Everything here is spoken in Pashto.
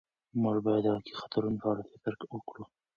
موږ باید د واقعي خطرونو په اړه فکر وکړو.